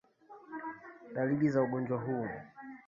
Dalili za ugonjwa huu